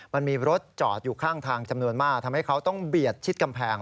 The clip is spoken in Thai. มันมีรถจอดอยู่ข้างทางจำนวนมากทำให้เขาต้องเบียดชิดกำแพง